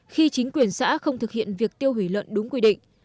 khi chính quyền xã không thực hiện việc tiêu hủy lợn đúng quy định